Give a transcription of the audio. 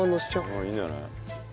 あっいいんじゃない？